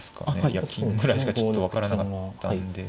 いや金ぐらいしかちょっと分からなかったんで。